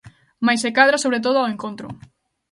Mais se cadra, sobre todo, ao encontro.